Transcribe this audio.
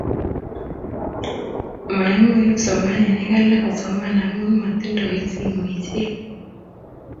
maimuch kipsomaninik alak kosoman amu mating'doi simoisiek